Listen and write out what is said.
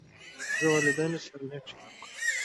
زه له والدینو سره نېک چلند کوم.